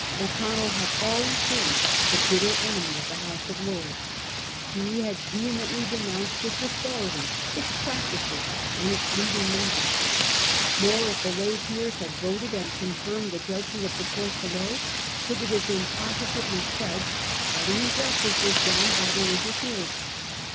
O'Connell had always been the bitter enemy of the House of Lords. He had vehemently denounced its 1844 . THE LAY PEERS. 297 authority, its practices, and its leading members. Nor if the lay peers had voted and confirmed the judgment of the court below, could it have been posi tively said that an injustice was done by their inter ference.